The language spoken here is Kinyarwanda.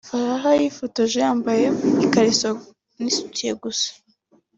Farrah yifotoje yambaye ikariso n’isutiya gusa